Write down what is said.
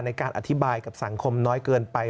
ในการอธิบายกับสังคมน้อยเกินไป